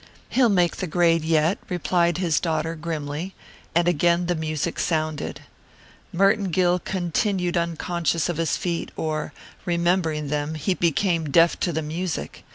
"He'll make the grade yet," replied his daughter grimly, and again the music sounded. Merton Gill continued unconscious of his feet, or, remembering them, he became deaf to the music.